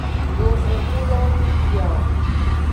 Yovogbulowo de bia o.